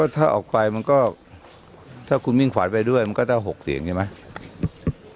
ถ้าออกไปมันก็ถ้าคุณมิ่งขวัญไปด้วยมันก็ถ้า๖เสียงใช่ไหม